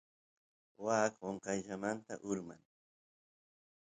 waa qonqayllamanta urman